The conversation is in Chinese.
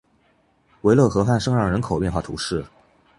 韦勒河畔圣让人口变化图示